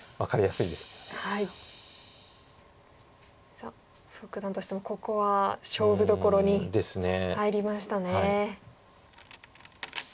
さあ蘇九段としてもここは勝負どころに入りましたね。